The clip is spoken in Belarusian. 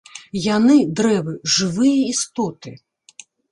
Яны, дрэвы, —жывыя істоты.